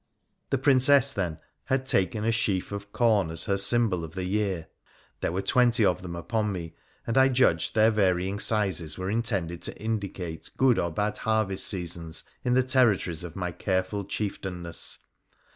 The Princess, then, had taken a sheaf of corn as her symbol of the year. There were twenty of them upon me, and I judged their very varying sizes were intended to indicate good or bad harvest seasons in the territories of my careful chieftainess.